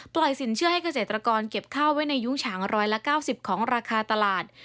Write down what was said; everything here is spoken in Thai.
สินเชื่อให้เกษตรกรเก็บข้าวไว้ในยุ้งฉาง๑๙๐ของราคาตลาด